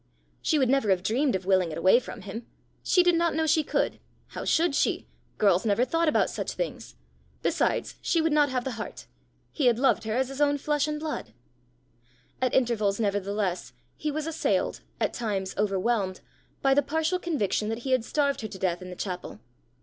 She would never have dreamed of willing it away from him! She did not know she could: how should she? girls never thought about such things! Besides she would not have the heart: he had loved her as his own flesh and blood! At intervals, nevertheless, he was assailed, at times overwhelmed, by the partial conviction that he had starved her to death in the chapel.